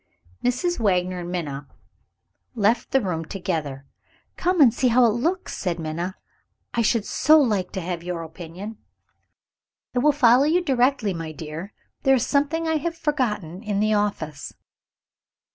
Mrs. Wagner and Minna left the room together. "Come and see how it looks," said Minna; "I should so like to have your opinion." "I will follow you directly, my dear. There is something I have forgotten in the office."